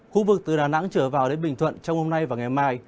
khu vực từ đà nẵng trở vào đến bình thuận trong hôm nay và ngày mai